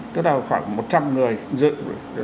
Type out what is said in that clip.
tức là khoảng một trăm linh người